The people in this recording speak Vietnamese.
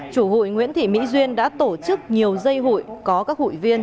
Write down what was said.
chủ hội nguyễn thị mỹ duyên đã tổ chức nhiều dây hội